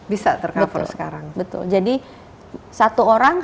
bisa tercover sekarang